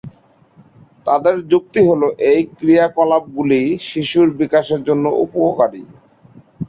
তাদের যুক্তি হল এই ক্রিয়াকলাপগুলি শিশুর বিকাশের জন্য উপকারী।